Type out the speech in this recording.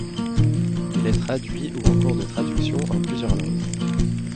Il est traduit ou en cours de traduction en plusieurs langues.